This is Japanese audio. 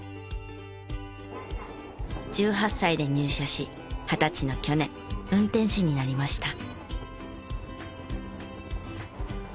１８歳で入社し二十歳の去年運転士になりました。